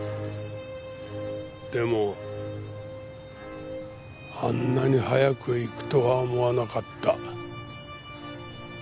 でもあんなに早く逝くとは思わなかった。